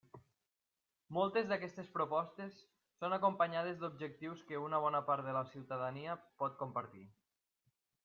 Moltes d'aquestes propostes són acompanyades d'objectius que una bona part de la ciutadania pot compartir.